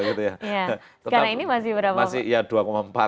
sekarang ini masih berapa